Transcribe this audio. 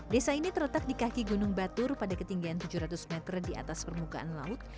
desa ini terletak di kaki gunung batur pada ketinggian tujuh ratus meter di atas permukaan laut